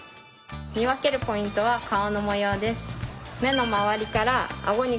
見分けるポイントは顔の模様です。